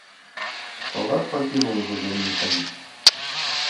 Салдат пакінуў ужо за імі хадзіць.